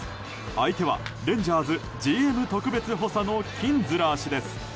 相手はレンジャーズＧＭ特別補佐のキンズラー氏です。